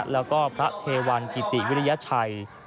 แล้วก็พระเทวันกิติวิทยาชัย